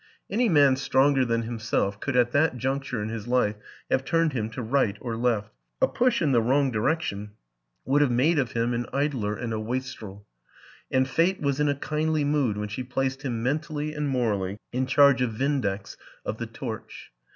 Any man stronger than him self could at that juncture in his life have turned him to right or left; a push in the wrong direction would have made of him an idler and a wastrel, and Fate was in a kindly mood when she placed him mentally and morally in charge of " Vindex " of The Torch.